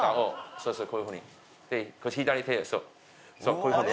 そうこういうふうにね。